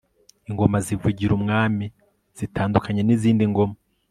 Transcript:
ingoma zivugira umwami zitandukanye nizindi ngoma